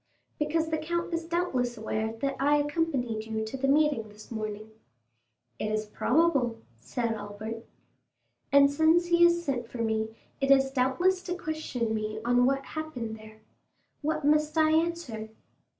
"Because the count is doubtless aware that I accompanied you to the meeting this morning." 40254m "It is probable," said Albert. "And since he has sent for me, it is doubtless to question me on what happened there. What must I answer?"